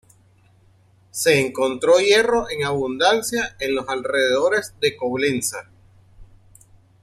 Se encontró hierro en abundancia en los alrededores de Coblenza.